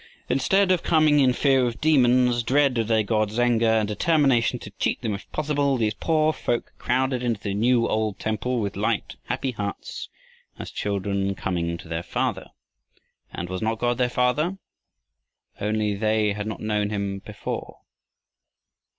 Instead of coming in fear of demons, dread of their gods' anger, and determination to cheat them if possible, these poor folk crowded into the new old temple with light, happy hearts, as children coming to their Father. And was not God their Father, only they had not known him before?